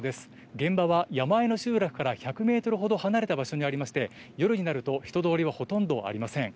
現場は山あいの集落から１００メートルほど離れた場所にありまして、夜になると、人通りはほとんどありません。